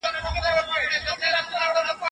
څه چې کرې هغه به ريبې.